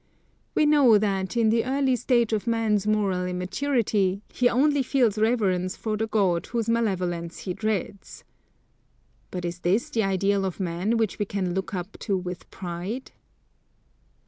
We know that, in the early stage of man's moral immaturity, he only feels reverence for the god whose malevolence he dreads. But is this the ideal of man which we can look up to with pride?